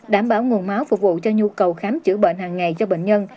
đảm bảo nguồn máu phục vụ cho nhu cầu khám chữa bệnh hàng ngày cho bệnh nhân